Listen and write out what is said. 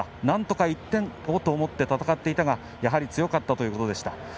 なんとか１点をと思って戦っていたがやはり強かったということでした。